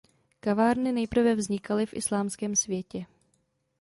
Kavárny nejprve vznikaly v islámském světě.